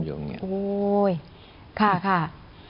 โอ้ยค่ะค่ะ